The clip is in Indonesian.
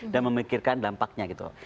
dan memikirkan dampaknya gitu